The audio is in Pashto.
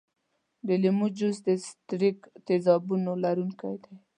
د لیمو جوس د ستریک تیزابونو لرونکی دی.